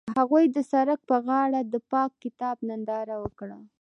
هغوی د سړک پر غاړه د پاک کتاب ننداره وکړه.